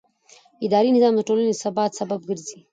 اداري نظام د ټولنې د ثبات سبب ګرځي.